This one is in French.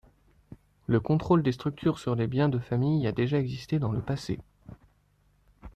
Le contrôle des structures sur les biens de famille a déjà existé dans le passé.